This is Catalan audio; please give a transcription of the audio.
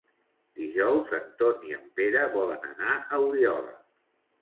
Dijous en Ton i en Pere volen anar a Oriola.